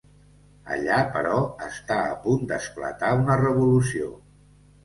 Allà, però, està a punt d'esclatar una revolució.